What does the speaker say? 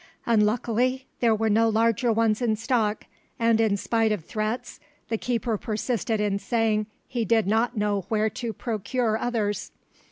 Unluckily, there were no larger ones in stock, and in spite of threats the keeper persisted in saying he did not know where to procure others.